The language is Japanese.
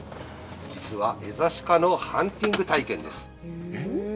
実はエゾシカのハンティング体験です。